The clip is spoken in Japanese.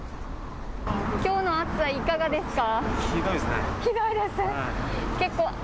きょうの暑さ、いかがですか。